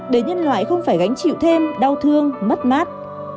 để nhân loại không phải gánh chịu thêm đau thương mất mát